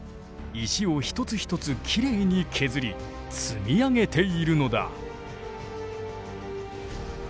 石を一つ一つきれいに削り積み上げているのだ。